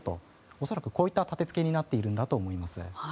恐らくこういった建付けになっていると思います。